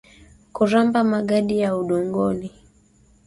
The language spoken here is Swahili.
kuramba magadi ya udongoni